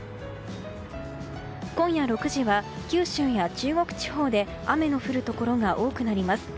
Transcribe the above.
今夜６時は九州や中国地方で雨の降るところが多くなります。